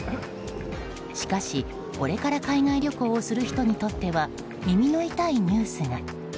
しかし、これから海外旅行をする人にとっては耳が痛いニュースが。